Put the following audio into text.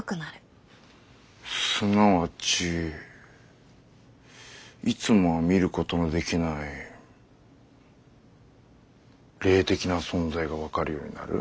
すなわちいつもは見ることのできない霊的な存在が分かるようになる？